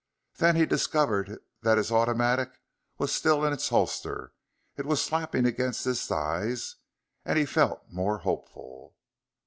Then he discovered that his automatic was still in its holster; it was slapping against his thighs; and he felt more hopeful.